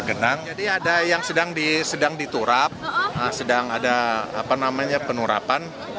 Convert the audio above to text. jadi ada yang sedang diturap sedang ada penurapan